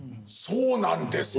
そうなんですか？